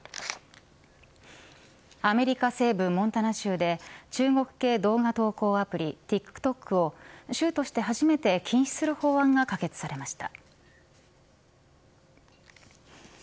アメリカ西部モンタナ州で中国系動画投稿アプリＴｉｋＴｏｋを州として初めて禁止する法案が可決されました。